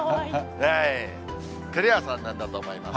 てれ屋さんなんだと思います。